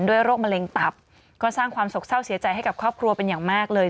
โรคมะเร็งตับก็สร้างความสกเศร้าเสียใจให้กับครอบครัวเป็นอย่างมากเลย